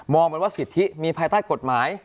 เหมือนว่าสิทธิมีภายใต้กฎหมาย